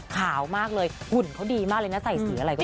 ขาวมากเลยหุ่นเขาดีมากเลยนะใส่สีอะไรก็